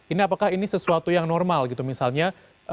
ini apakah ini sesuatu yang normal gitu misalnya